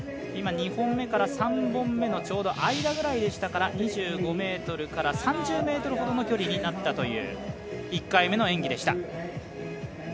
今、２本目から３本目のちょうど間ぐらいでしたから２５ｍから３０ｍほどの距離になったという１回目の演技でした。